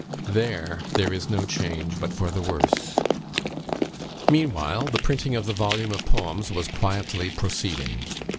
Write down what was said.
There there is no change but for the worse." Meanwhile the printing of the volume of poems was quietly proceeding.